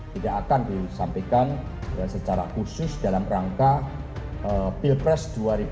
tidak akan disampaikan secara khusus dalam rangka pilpres dua ribu dua puluh